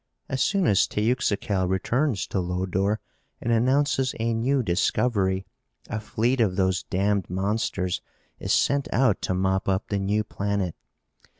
As soon as Teuxical returns to Lodore and announces a new discovery a fleet of those damned monsters is sent out to mop up the new planet.